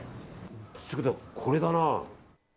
これだな。